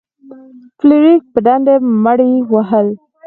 فلیریک په ډنډه مړي وهل.